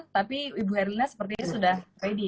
tapi ibu erlina sepertinya sudah ready